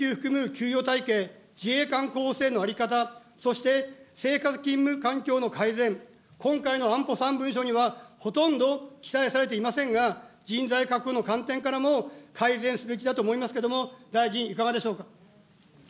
給与体系、自衛官候補生の在り方、そして生活勤務環境の改善、今回の安保三文書にはほとんど記載されていませんが、人材確保の観点からも、改善すべきだと思いますけれども、大臣、いかがでしょうか。